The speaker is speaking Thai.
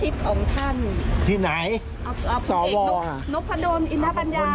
ถ้าเห็นสวนใหญ่เป็นคนใกล้ชิดของท่าน